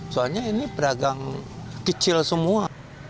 soalnya ini pedagang kecil semua